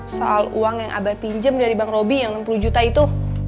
soal uang yang abah pinjam dari bang roby yang enam puluh juta itu